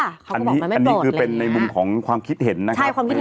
อันนี้คือเป็นในมุมของความคิดเห็นนะครับ